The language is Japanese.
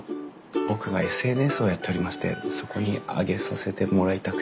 僕がＳＮＳをやっておりましてそこに上げさせてもらいたくて。